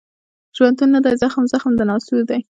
ژوندون نه دی زخم، زخم د ناسور دی